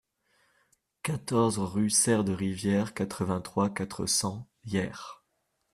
quatorze rue Sere de Rivière, quatre-vingt-trois, quatre cents, Hyères